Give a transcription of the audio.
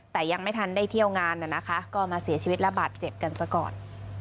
แต่ยังไม่ทันได้เที่ยวงานนะคะก็มาเสียชีวิตและบาดเจ็บกันซะก่อน